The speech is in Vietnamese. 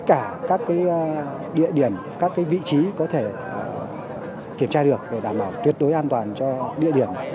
tất cả các địa điểm các vị trí có thể kiểm tra được để đảm bảo tuyệt đối an toàn cho địa điểm